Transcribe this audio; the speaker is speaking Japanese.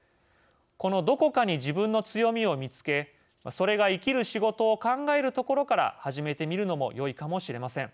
このどこかに自分の強みを見つけそれが生きる仕事を考えるところから始めてみるのもよいかもしれません。